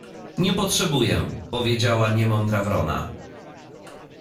— Nie potrzebuję — powiedziała niemądra wrona.